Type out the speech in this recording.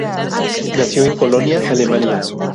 Nació en Colonia, Alemania.